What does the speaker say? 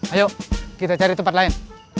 ayo kita cari tempat lain